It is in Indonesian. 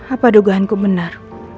apa dugaanku benar